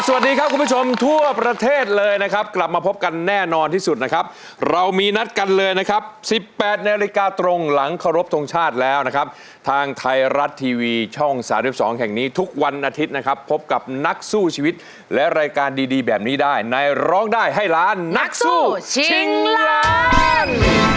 สวัสดีครับคุณผู้ชมทั่วประเทศเลยนะครับกลับมาพบกันแน่นอนที่สุดนะครับเรามีนัดกันเลยนะครับ๑๘นาฬิกาตรงหลังเคารพทงชาติแล้วนะครับทางไทยรัฐทีวีช่อง๓๒แห่งนี้ทุกวันอาทิตย์นะครับพบกับนักสู้ชีวิตและรายการดีแบบนี้ได้ในร้องได้ให้ล้านนักสู้ชิงล้าน